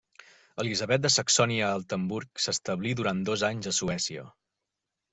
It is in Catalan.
Elisabet de Saxònia-Altenburg s'establí durant dos anys a Suècia.